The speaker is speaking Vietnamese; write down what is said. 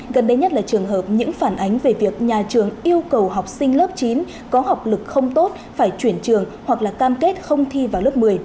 gần đây nhất là trường hợp những phản ánh về việc nhà trường yêu cầu học sinh lớp chín có học lực không tốt phải chuyển trường hoặc là cam kết không thi vào lớp một mươi